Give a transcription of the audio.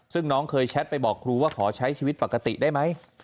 ซึ่งน้องเคยแชทไปบอกครูว่าขอใช้ชีวิตปกติได้ไหม